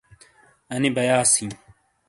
انی بیاص ہیں